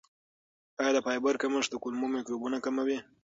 آیا د فایبر کمښت د کولمو میکروبونه کموي؟